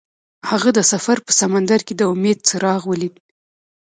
هغه د سفر په سمندر کې د امید څراغ ولید.